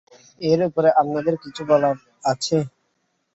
এর উপরে আপনাদের কিছু বলবার আছে?